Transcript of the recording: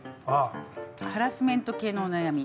ハラスメント系のお悩み。